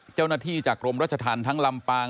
เจ้าหน้าที่จากกรมรัชธรรมทั้งลำปาง